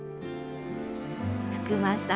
福間さん